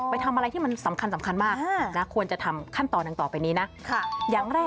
ไปทำอะไรที่มันสำคัญมากนะควรจะทำขั้นตอนดังต่อไปนี้นะ